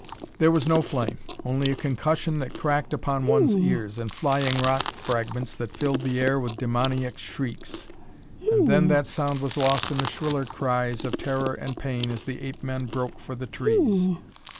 There was no flame only a concussion that cracked upon one's ears, and flying rock fragments that filled the air with demoniac shrieks. And then that sound was lost in the shriller cries of terror and pain as the ape men broke for the trees.